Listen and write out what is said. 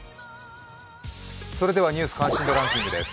それでは「ニュース関心度ランキング」です。